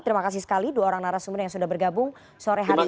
terima kasih sekali dua orang narasumber yang sudah bergabung sore hari ini